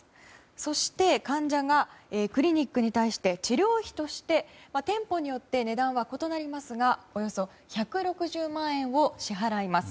そして、患者がクリニックに対して治療費として、店舗によって値段は異なりますがおよそ１６０万円を支払います。